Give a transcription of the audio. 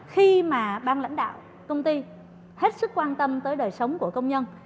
khi mà ban lãnh đạo công ty hết sức quan tâm tới đời sống của công nhân